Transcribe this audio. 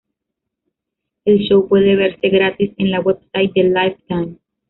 El show puede verse gratis en la website de Lifetime.